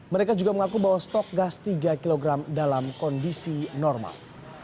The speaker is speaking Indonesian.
mereka juga mengaku bahwa stok gas tiga kg dalam kondisi normal